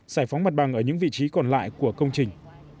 giải phóng mặt bằng ở những vị trí còn lại của công trình